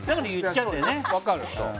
分かる。